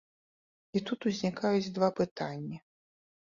І тут узнікаюць два пытанні.